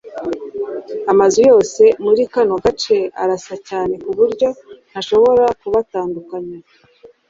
Amazu yose yo muri kano gace arasa cyane kuburyo ntashobora kubatandukanya